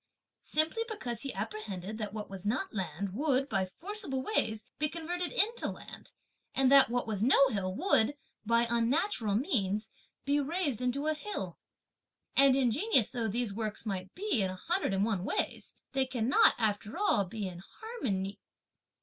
Simply because he apprehended that what was not land, would, by forcible ways, be converted into land; and that what was no hill would, by unnatural means, be raised into a hill. And ingenious though these works might be in a hundred and one ways, they cannot, after all, be in harmony."...